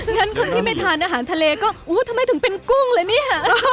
งั้นคนที่ไม่ทานอาหารทะเลก็ทำไมถึงเป็นกุ้งเลยเนี่ย